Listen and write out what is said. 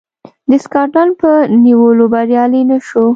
د سکاټلنډ په نیولو بریالی نه شو.